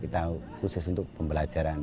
kita harus belajar untuk memperbaiki keadaan kita